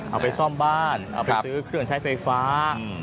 เอาไปซ่อมบ้านเอาไปซื้อเครื่องใช้ไฟฟ้า